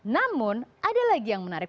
namun ada lagi yang menarik